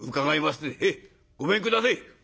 ごめんくだせえ。